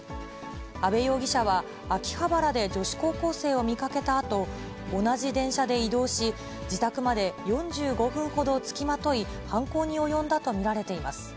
阿部容疑者は秋葉原で女子高校生を見かけたあと、同じ電車で移動し、自宅まで４５分ほど付きまとい、犯行に及んだと見られています。